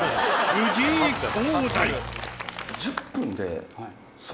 藤井幸大。